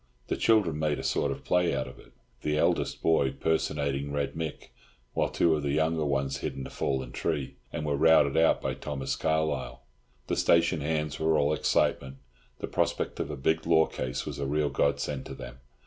The children made a sort of play out of it, the eldest boy personating Red Mick, while two of the younger ones hid in a fallen tree, and were routed out by Thomas Carlyle. The station hands were all excitement; the prospect of a big law case was a real godsend to them.